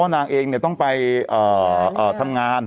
เนี่ยต้องไปทำงาน